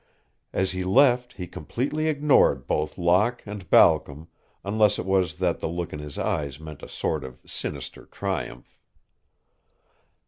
As he left he completely ignored both Locke and Balcom, unless it was that the look in his eyes meant a sort of sinister triumph.